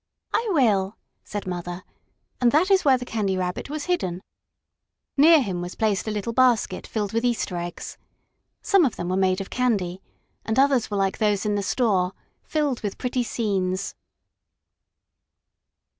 "I will," said Mother, and that is where the Candy Rabbit was hidden. Near him was placed a little basket filled with Easter eggs. Some of them were made of candy, and others were like those in the store filled with pretty scenes.